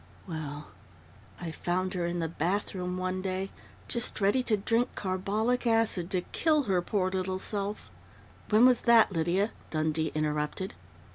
Well, I found her in the bathroom one day, just ready to drink carbolic acid, to kill her poor little self " "When was that, Lydia?" Dundee interrupted.